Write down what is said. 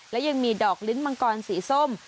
และยังมีดอกลิ้นมังกรสีส้ม